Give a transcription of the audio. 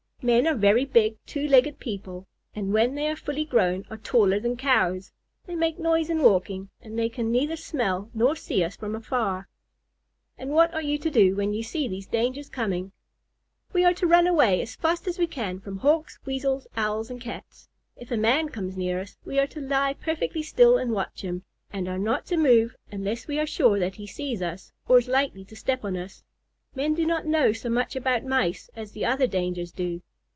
"Men are very big, two legged people, and when they are fully grown are taller than Cows. They make noise in walking, and they can neither smell nor see us from afar." "And what are you to do when you see these dangers coming?" "We are to run away as fast as we can from Hawks, Weasels, Owls, and Cats. If a man comes near us, we are to lie perfectly still and watch him, and are not to move unless we are sure that he sees us or is likely to step on us. Men do not know so much about Mice as the other dangers do."